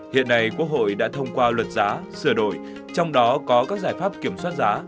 hiện nay quốc hội đã thông qua luật giá sửa đổi trong đó có các giải pháp kiểm soát giá